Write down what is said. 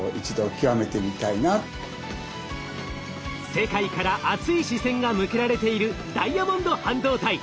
世界から熱い視線が向けられているダイヤモンド半導体。